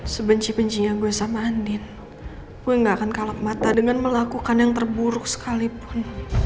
sebenci benci yang gue sama andin gue gak akan kalap mata dengan melakukan yang terburuk sekalipun